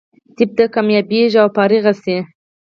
طب ته کامیابېږي او فارغه شي.